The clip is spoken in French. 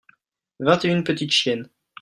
vingt et une petites chiennes.